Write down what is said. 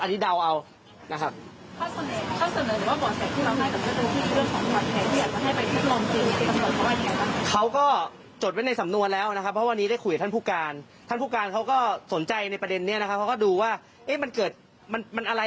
อันนี้เดาเอานะครับถ้าสำนวนหรือว่าบ่วนแสดงที่เราได้กับเจ้าเจ้าที่